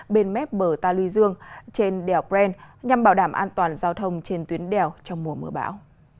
bên mép bờ ta luy dương trên đèo bren nhằm bảo đảm an toàn giao thông trên tuyến đèo trong mùa mưa bão